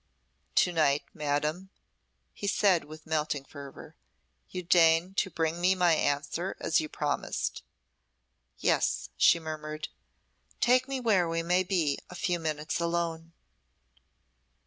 "To night, madam," he said, with melting fervour, "you deign to bring me my answer as you promised." "Yes," she murmured. "Take me where we may be a few moments alone."